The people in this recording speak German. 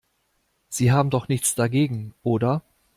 Sie haben doch nichts dagegen, oder?